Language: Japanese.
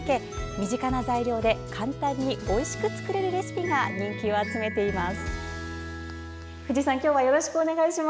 身近な材料で簡単においしく作れるレシピが人気を集めています。